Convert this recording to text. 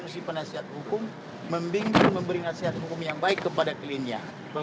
tidak akan membenarkan yang salah atau yang kebaliknya